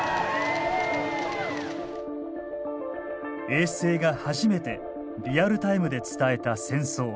衛星が初めてリアルタイムで伝えた戦争。